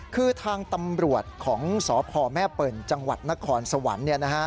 คือทางตำรวจของสพแม่เปิ่นจังหวัดนครสวรรค์